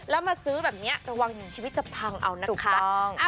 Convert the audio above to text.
แล้วมาซื้อแบบนี้ระวังถึงชีวิตจะพังเอานะคะ